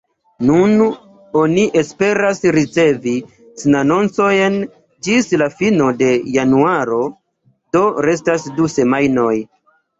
Nun oni esperas ricevi sinanoncojn ĝis la fino de januaro, do restas du semajnoj.